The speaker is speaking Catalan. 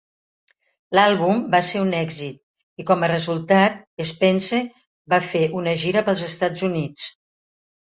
L'àlbum va ser un èxit i, com a resultat, Spence va fer una gira pels Estats Units.